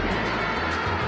jangan makan aku